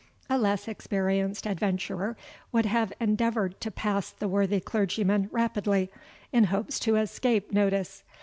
A less experienced adventurer would have endeavoured to pass the worthy clergyman rapidly, in hopes to escape unnoticed.